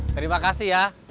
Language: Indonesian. terima kasih ya